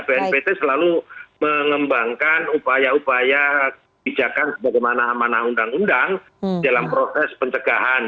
bnpt selalu mengembangkan upaya upaya bijakan sebagaimana amanah undang undang dalam proses pencegahan